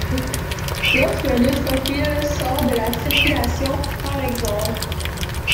Lorsqu'un neutrophile sort de la circulation, p. ex.